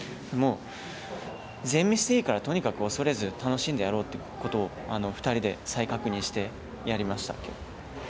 もう、全ミスでいいからとにかく恐れず楽しんでやろうということを２人で再確認してやりました。